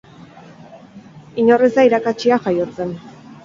Inor ez da irakatsia jaiotzen.